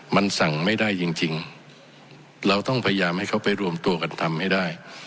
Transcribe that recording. มันสั่งไม่ได้จริงจริงเราต้องพยายามให้เขาไปรวมตัวกันทำให้ได้